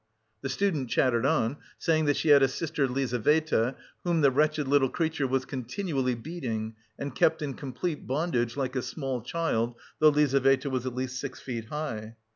The student chattered on, saying that she had a sister Lizaveta, whom the wretched little creature was continually beating, and kept in complete bondage like a small child, though Lizaveta was at least six feet high.